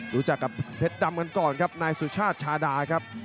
รู้จักกับเพชรดำกันก่อนครับนายสุชาติชาดาครับ